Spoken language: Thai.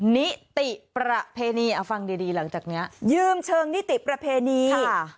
นิติประเพณีเอาฟังดีดีหลังจากนี้ยืมเชิงนิติประเพณีค่ะ